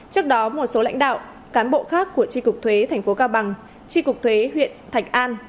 trước đó một số lãnh đạo cán bộ khác của tri cục thuế tp cao bằng tri cục thuế huyện thạch an